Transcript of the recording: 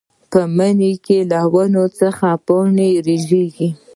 پۀ مني له ونو څخه پاڼې رژيږي